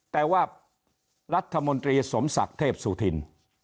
แต่ว่ารัฐมนตรีสมศักดิ์เทพสุธิน